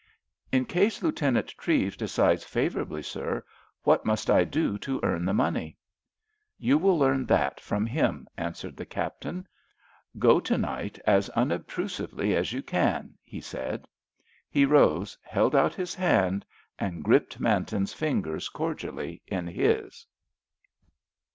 "In case Lieutenant Treves decides favourably, sir, what must I do to earn the money?" "You will learn that from him," answered the Captain. "Go to night, as unobtrusively as you can," he said. He rose, held out his hand and gripped Manton's fingers cordially in his.